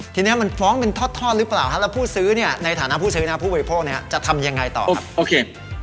ทีนี้มันฟ้องเป็นทอดหรือเปล่าแล้วผู้ซื้อเนี่ยในฐานะผู้ซื้อนะผู้บริโภคเนี่ยจะทำยังไงต่อครับโอเค